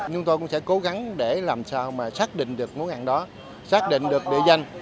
chúng tôi cũng sẽ cố gắng để làm sao mà xác định được món ăn đó xác định được địa danh